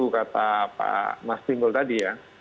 kata pak mas timbul tadi ya